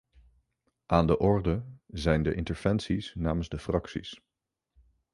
Aan de orde zijn de interventies namens de fracties.